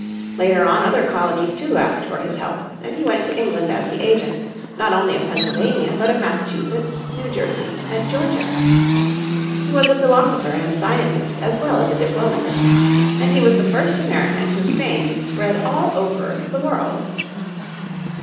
Later on other colonies too asked for his help, and he went to England as the agent, not only of Pennsylvania but of Massachusetts, New Jersey and Georgia. He was a philosopher and scientist as well as a diplomatist, and he was the first American whose fame spread all over the world.